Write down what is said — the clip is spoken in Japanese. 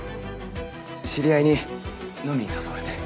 知り合いに飲みに誘われて。